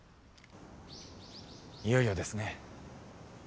いよいよですね。